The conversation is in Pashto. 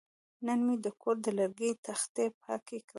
نن مې د کور د لرګي تختې پاکې کړې.